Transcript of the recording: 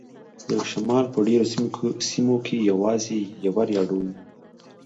د شمال په ډیرو سیمو کې یوازې یوه راډیو وي